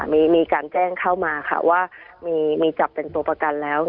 มีการแจ้งเข้ามาค่ะว่ามีจับเป็นตัวประกันแล้ว